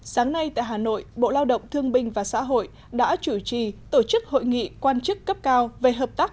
sáng nay tại hà nội bộ lao động thương binh và xã hội đã chủ trì tổ chức hội nghị quan chức cấp cao về hợp tác